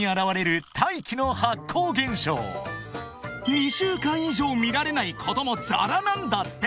［２週間以上見られないこともざらなんだって］